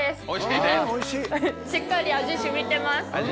しっかり味染みてます。